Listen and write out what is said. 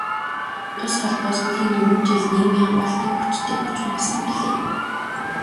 Тус холбоо сүүлийн дөрвөн жилд нийгмийн хамгийн хүчтэй хүчин болсон билээ.